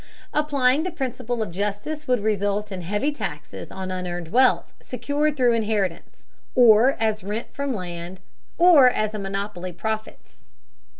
Applying the principle of justice would result in heavy taxes on unearned wealth secured through inheritance, or as rent from land, or as monopoly profits.